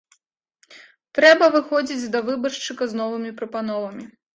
Трэба выходзіць да выбаршчыка з новымі прапановамі.